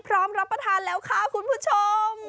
รับประทานแล้วค่ะคุณผู้ชม